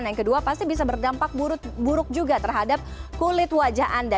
yang kedua pasti bisa berdampak buruk juga terhadap kulit wajah anda